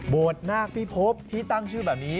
โบสถ์นาคพิพพที่ตั้งชื่อแบบนี้